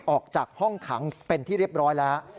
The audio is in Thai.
ออกจากห้องขังเป็นที่เรียบร้อยแล้ว